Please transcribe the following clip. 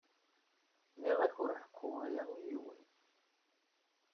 Nniɣ-ak ur ḥekku aya i yiwen.